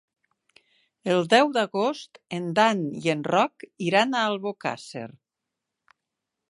El deu d'agost en Dan i en Roc iran a Albocàsser.